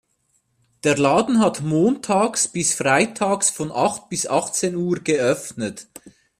Der Laden hat montags bis freitags von acht bis achtzehn Uhr geöffnet.